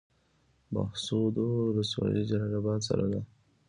بهسودو ولسوالۍ جلال اباد سره ده؟